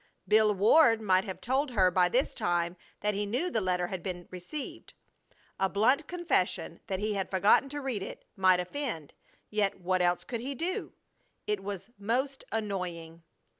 Bill Ward might have told her by this time that he knew the letter had been received. A blunt confession that he had forgotten to read it might offend, yet what else could he do? It was most annoying!